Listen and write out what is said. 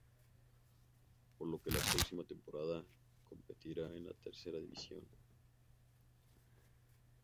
Por lo que la próxima temporada competirá en la Tercera División.